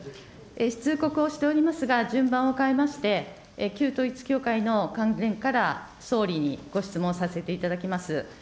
通告をしておりますが、順番を変えまして、旧統一教会の関連から総理にご質問させていただきます。